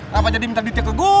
kenapa jadi minta dicek ke gua